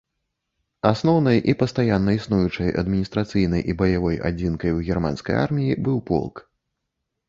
Асноўнай і пастаянна існуючай адміністрацыйнай і баявой адзінкай у германскай арміі быў полк.